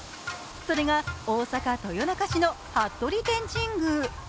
それが大阪・豊中市の服部天神宮。